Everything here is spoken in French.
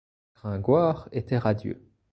Gringoire était radieux.